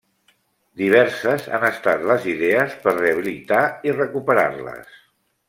Diverses han estat les idees per rehabilitar i recuperar-les.